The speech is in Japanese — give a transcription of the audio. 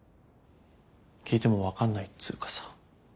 聞いても分かんないっつうかさ。